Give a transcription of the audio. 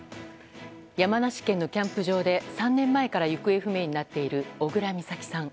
山梨県のキャンプ場で３年前から行方不明になっている小倉美咲さん。